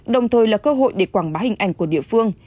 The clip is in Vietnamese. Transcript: đồng thời là cơ hội để quảng bá hình ảnh của địa phương